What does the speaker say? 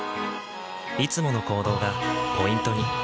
いつもの行動がポイントに。